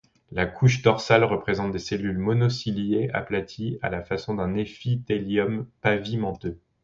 La couche dorsale présente des cellules monociliées aplaties à la façon d'un épithélium pavimenteux.